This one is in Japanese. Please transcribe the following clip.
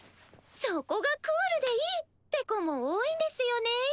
そこがクールでいいって子も多いんですよね。